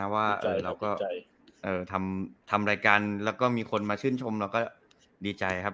ว่าเราก็ทำรายการแล้วก็มีคนมาชื่นชมเราก็ดีใจครับ